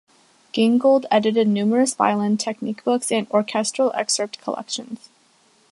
Gingold edited numerous violin technique books and orchestral excerpt collections.